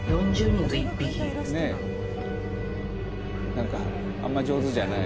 なんかあんま上手じゃない。